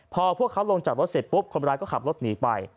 พอพวกเขาลงจากรถเสร็จปุ๊บคนร้ายก็ขับรถหนีไป